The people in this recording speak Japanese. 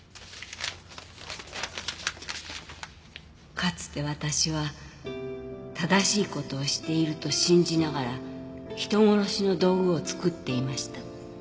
「かつて私は正しいことをしていると信じながら人殺しの道具を作っていました」